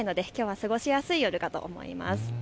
過ごしやすい夜かと思います。